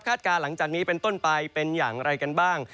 การหลังจากนี้เป็นต้นไปเป็นอย่างไรกันบ้าง